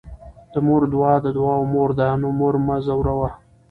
د مور دعاء د دعاوو مور ده، نو مور مه ځوروه